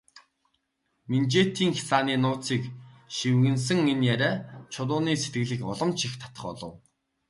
Минжээтийн хясааны нууцыг шивгэнэсэн энэ яриа Чулууны сэтгэлийг улам ч их татах болов.